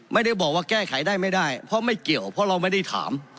ไม่ได้บอกว่าแก้ไขได้ไม่ได้เพราะไม่เกี่ยวเพราะเราไม่ได้ถาม